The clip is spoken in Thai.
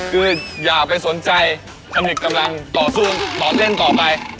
คืออย่าไปสนใจตำหนิกำลังต่อสู้ต่อเล่นต่อไป